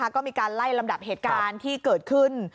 ก็มีการไล่ลำดับเหตุการณ์ที่เกิดขึ้น